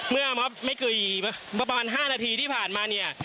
เมื่อไม่กี่ประมาณ๕นาทีที่ผ่านมาเนี่ย